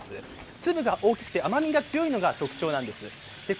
粒が大きくて甘みが強いのが特徴です。